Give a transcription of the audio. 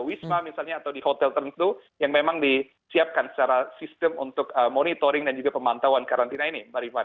wisma misalnya atau di hotel tertentu yang memang disiapkan secara sistem untuk monitoring dan juga pemantauan karantina ini mbak rifana